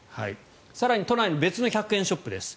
更に都内の別の１００円ショップです。